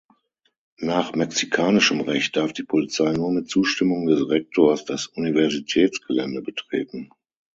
Nach mexikanischem Recht darf die Polizei nur mit Zustimmung des Rektors das Universitätsgelände betreten.